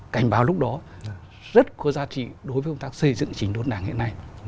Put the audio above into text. cảnh báo lúc đó rất có giá trị đối với công tác xây dựng chính đối đảng hiện nay